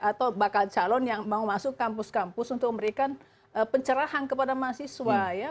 atau bakal calon yang mau masuk kampus kampus untuk memberikan pencerahan kepada mahasiswa ya